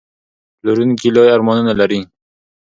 پلورونکی لوی ارمانونه لري.